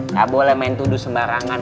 gak boleh main tuduh sembarangan